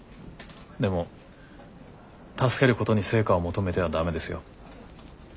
でも助けることに成果を求めては駄目ですよ。